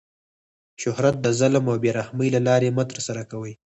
شهرت د ظلم او بې رحمۍ له لاري مه ترسره کوئ!